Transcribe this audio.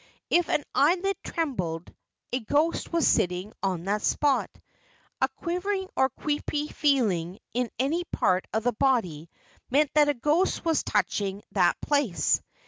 If an eyelid trembled, a ghost was sitting on that spot. A quivering or creepy feeling in any part of the body meant that a ghost was touching that place.